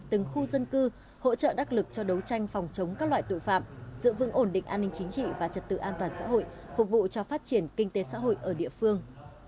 từng khu dân cư hỗ trợ đắc lực cho đấu tranh phòng chống các loại tội phạm giữ vững ổn định an ninh chính trị và trật tự an toàn xã hội phục vụ cho phát triển kinh tế xã hội ở địa phương